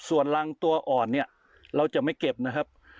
ส่วนรังตัวอ่อนเนี่ยเราจะไม่เก็บนะครับ